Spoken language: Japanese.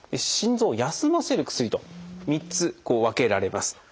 心臓を休ませる薬と３つこう分けられます。